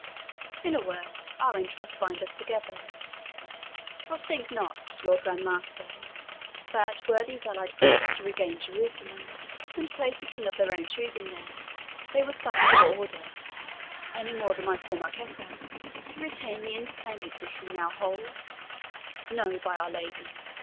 In a word, our interests bind us together; for think not, Lord Grand Master, that, were these allied princes to regain Jerusalem, and place a king of their own choosing there, they would suffer your Order, any more than my poor marquisate, to retain the independence which we now hold. No, by Our Lady!